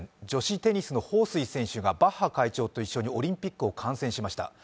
女子テニスの彭帥選手がバッハ会長と一緒にオリンピックを観戦しました。